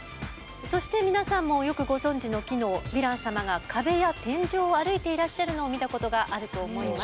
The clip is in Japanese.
そして皆さんもよくご存じの機能ヴィラン様が壁や天井を歩いていらっしゃるのを見たことがあると思います。